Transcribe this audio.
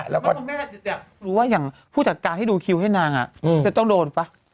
แล้วพูดจากการที่ดูคิวให้นางจะต้องโดนป่ะ